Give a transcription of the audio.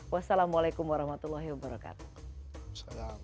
wassalamualaikum warahmatullahi wabarakatuh